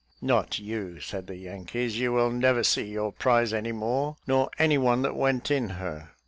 "Not you," said the Yankees; "you will never see your prize any more, nor any one that went in her."